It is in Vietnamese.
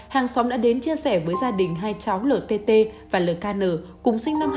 hàng xóm đã đến chia sẻ với gia đình hai cháu ltt và lkn cùng sinh năm hai nghìn hai mươi một